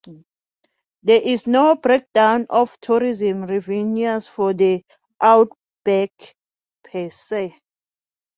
There is no breakdown of tourism revenues for the "Outback" "per se".